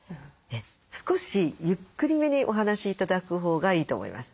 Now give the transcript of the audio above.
少しゆっくりめにお話し頂くほうがいいと思います。